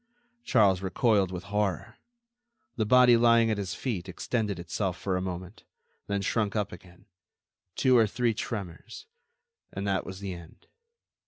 Charles recoiled with horror: the body lying at his feet extended itself for a moment, then shrunk up again; two or three tremors, and that was the end.